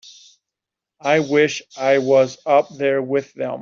I wish I was up there with them.